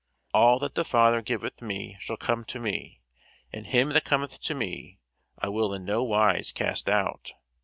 All that the Father giveth me shall come to me; and him that cometh to me I will in no wise cast out.